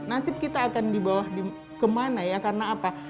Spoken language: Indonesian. nasib kita akan dibawa kemana ya karena apa